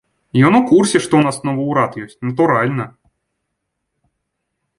Ён у курсе, што ў нас новы ўрад ёсць, натуральна.